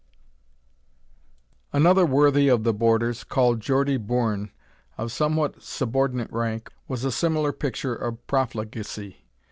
Another worthy of the Borders, called Geordy Bourne, of somewhat subordinate rank, was a similar picture of profligacy.